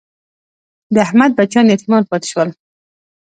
د احمد بچیان یتیمان پاتې شول.